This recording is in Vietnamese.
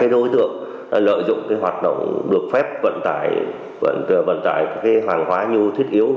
đối tượng lợi dụng hoạt động được phép vận tải hoàng hóa như thiết yếu